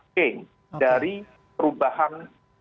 change dari perubahan